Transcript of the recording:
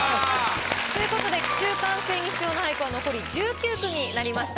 ということで句集完成に必要な俳句は残り１９句になりました。